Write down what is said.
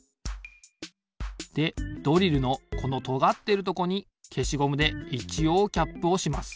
でドリルのこのとがってるとこにけしゴムでいちおうキャップをします。